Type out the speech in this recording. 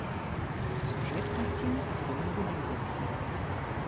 Сюжэт карціны пакуль не выдаецца.